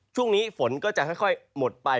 ช่วงนี้ฝนก็จะค่อยหมดไป